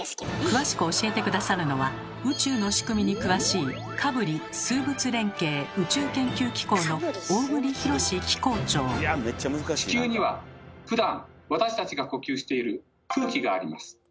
詳しく教えて下さるのは宇宙の仕組みに詳しい地球にはふだん私たちが呼吸している空気があります。